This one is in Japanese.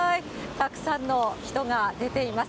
たくさんの人が出ています。